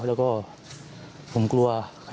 แล้วก็ผมกลัว